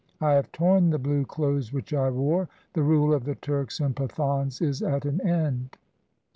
I have torn the blue clothes which I wore ; the rule of the Turks and Pathans is at an end.